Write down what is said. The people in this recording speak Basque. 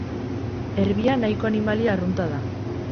Erbia nahiko animalia arrunta da.